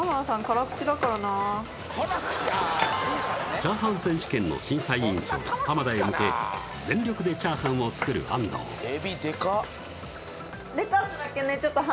チャーハン選手権の審査委員長浜田へ向け全力でチャーハンを作る安藤エビでかっ